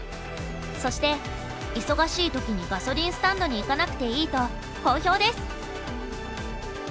そして「忙しい時にガソリンスタンドに行かなくていい」と好評です。